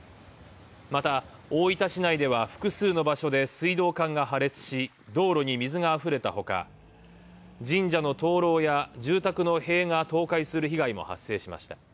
また、大分市内では複数の場所で水道管が破裂し、道路に水があふれたほか、神社の灯篭や住宅の塀が倒壊する被害も発生しました。